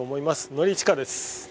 典親です。